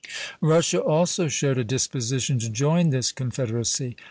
Russia also showed a disposition to join this confederacy.